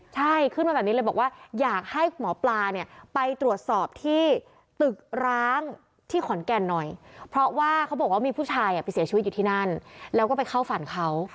ใช่ขึ้นมาแบบนี้เลยบอกว่าอยากให้หมอปลาเนี่ยไปตรวจสอบที่ตึกร้างที่ขอนแก่นหน่อยเพราะว่าเขาบอกว่ามีผู้ชายไปเสียชีวิตอยู่ที่นั่นแล้วก็ไปเข้าฝันเขา